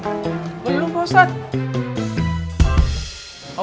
belum pak ustadz